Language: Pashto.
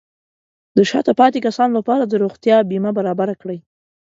د شاته پاتې کسانو لپاره د روغتیا بیمه برابر کړئ.